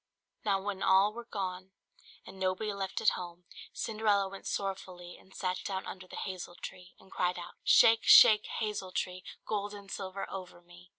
Now when all were gone, and nobody left at home, Cinderella went sorrowfully and sat down under the hazel tree, and cried out "Shake, shake, hazel tree, Gold and silver over me!"